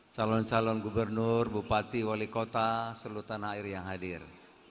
calon calon gubernur bupati wali kota seluruh tanah air yang hadir